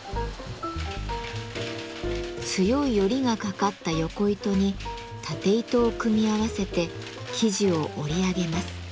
強いヨリがかかったヨコ糸にタテ糸を組み合わせて生地を織り上げます。